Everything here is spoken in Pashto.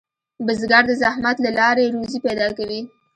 بزګر د زحمت له لارې روزي پیدا کوي